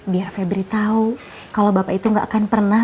biar febri tahu kalau bapak itu gak akan pernah